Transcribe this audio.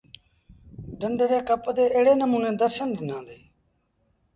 ڍنڍ ري ڪپ تي ايڙي نموٚني درشن ڏنآندي۔